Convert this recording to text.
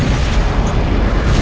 tidak ada yang lebih sakti dariku